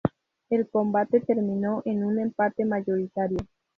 El combate terminó en un empate mayoritario.